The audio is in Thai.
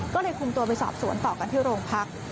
ก็เลยคุมตัวไปสอบสวนต่อกันที่โรงพัก